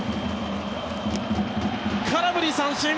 空振り三振！